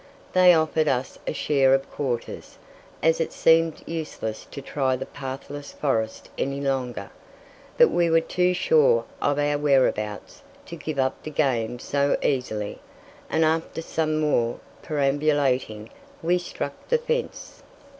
They offered us a share of quarters, as it seemed useless to try the pathless forest any longer. But we were too sure of our whereabouts to give up the game so easily, and after some more perambulating we struck the fence.